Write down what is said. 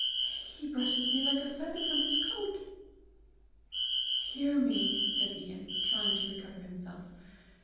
He brushes me like a feather from his coat!" "Hear me," said Ian, trying to recover himself.